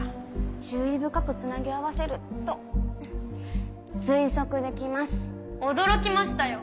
注意深くつなぎ合わせると推測できま驚きましたよ